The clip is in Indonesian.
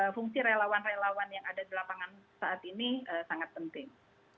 fungsi relawan relawan yang ada di lapangan saat ini sangat penting